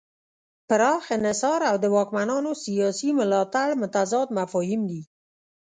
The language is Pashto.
پراخ انحصار او د واکمنانو سیاسي ملاتړ متضاد مفاهیم دي.